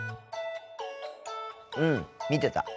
うん見てた。